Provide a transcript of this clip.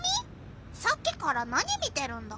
さっきから何見てるんだ？